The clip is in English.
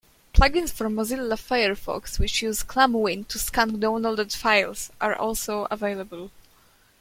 Plugins for Mozilla Firefox which use ClamWin to scan downloaded files are also available.